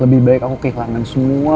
lebih baik aku kehilangan semua